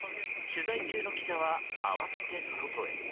取材中の記者は慌てて外へ。